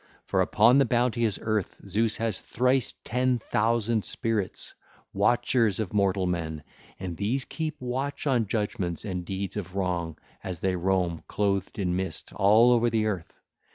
For upon the bounteous earth Zeus has thrice ten thousand spirits, watchers of mortal men, and these keep watch on judgements and deeds of wrong as they roam, clothed in mist, all over the earth.